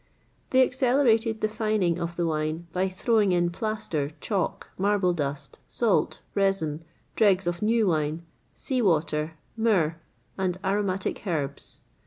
[XXVIII 76] They accelerated the fining of the wine by throwing in plaster, chalk, marble dust, salt, resin, dregs of new wine, sea water, myrrh, and aromatic herbs.